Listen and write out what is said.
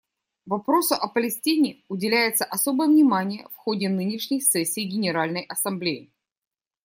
Вопросу о Палестине уделяется особое внимание в ходе нынешней сессии Генеральной Ассамблеи.